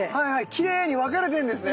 きれいに分かれてんですね？